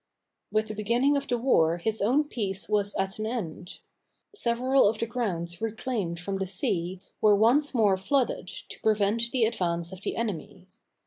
With the beginning of the war his own peace was at an end. Several of the grounds reclaimed from the sea were once more flooded to prevent the advance of the enemy.